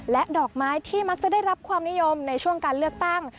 ดอกไม้ที่มักจะได้รับความนิยมในช่วงการเลือกตั้ง